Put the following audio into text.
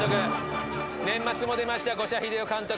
出ました五社英雄監督。